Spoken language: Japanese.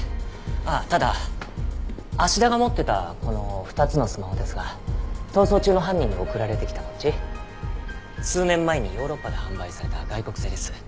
ああただ芦田が持ってたこの２つのスマホですが逃走中の犯人に送られてきたこっち数年前にヨーロッパで販売された外国製です。